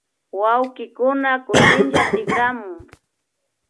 Wawkikuna kutinlla tikramun